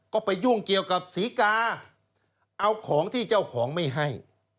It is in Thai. ก็ไปยุ่งเกี่ยวกับศรีกาเอาของที่เจ้าของไม่ให้